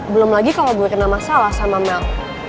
belum lagi kalau gue kena masalah sama melk